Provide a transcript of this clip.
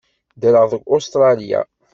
Ddreɣ deg Ustṛalya.